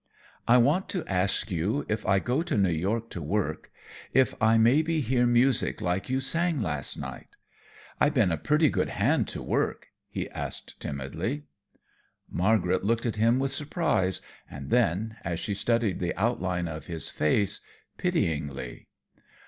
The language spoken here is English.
"I want to ask you if I go to New York to work, if I maybe hear music like you sang last night? I been a purty good hand to work," he asked, timidly. Margaret looked at him with surprise, and then, as she studied the outline of his face, pityingly.